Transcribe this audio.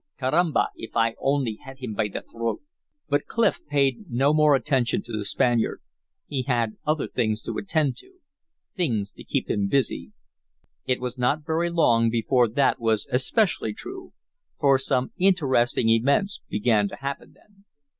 "Carramba, if I only had him by the throat!" But Clif paid no more attention to the Spaniard. He had other things to attend to, things to keep him busy. It was not very long before that was especially true. For some interesting events began to happen then.